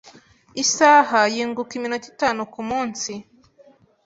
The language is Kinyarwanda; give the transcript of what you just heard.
Isaha yunguka iminota itanu kumunsi.